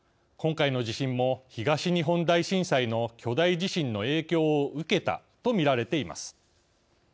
今回の地震も東日本大震災の巨大地震の影響を受けたとみられています。